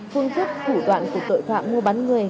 phương thức thủ đoạn của tội phạm mua bán người